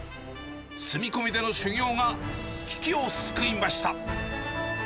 住み込みでの修業が危機を救いました。